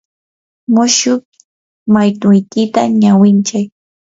mushuq maytuykita ñawinchay.